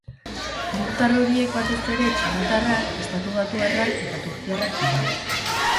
Lurtar horiek batez ere txinatarrak, estatubatuarrak eta turkiarrak dira.